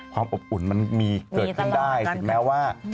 ความอบอุ่นมันเกิดขึ้นได้